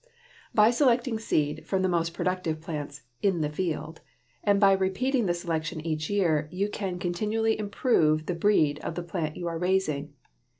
By selecting seed from the most productive plants in the field and by repeating the selection each year, you can continually improve the breed of the plant you are raising.